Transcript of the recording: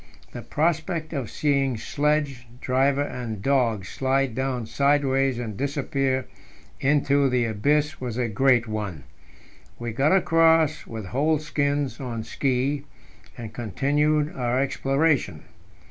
The prospect of seeing sledge, driver, and dogs slide down sideways and disappear into the abyss was a great one. We got across with whole skins on ski, and continued our exploration.